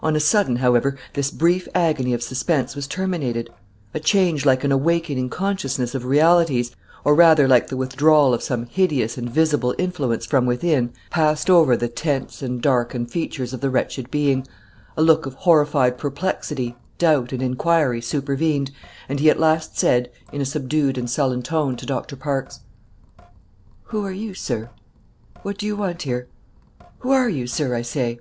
On a sudden, however, this brief agony of suspense was terminated; a change like an awakening consciousness of realities, or rather like the withdrawal of some hideous and visible influence from within, passed over the tense and darkened features of the wretched being; a look of horrified perplexity, doubt, and inquiry, supervened, and he at last said, in a subdued and sullen tone, to Doctor Parkes: "Who are you, sir? What do you want here? Who are you, sir, I say?"